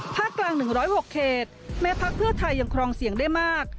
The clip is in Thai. กลาง๑๐๖เขตแม้พักเพื่อไทยยังครองเสียงได้มาก